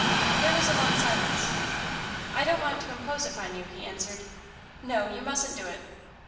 There was a long silence. "I don't want to impose upon you," he answered "no, you mustn't do it."